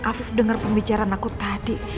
afif dengar pembicaraan aku tadi